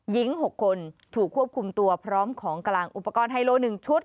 หญิง๖คนถูกควบคุมตัวพร้อมของกลางอุปกรณ์ไฮโล๑ชุด